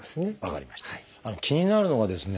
気になるのがですね